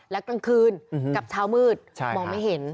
และกลางคืนกับเช้ามืดมองไม่เห็น